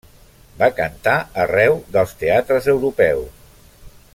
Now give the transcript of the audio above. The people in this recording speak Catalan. Va cantar arreu dels teatres europeus.